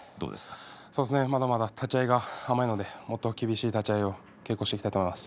まだまだ立ち合いが甘いので厳しい立ち合いの稽古をしていきたいと思います。